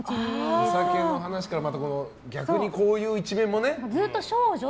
お酒の話から逆にこういう一面もね。